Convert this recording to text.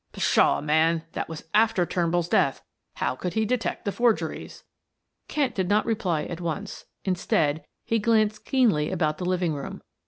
"Pshaw! man; that was after Turnbull's death how could he detect the forgeries?" Kent did not reply at once; instead, he glanced keenly about the living room.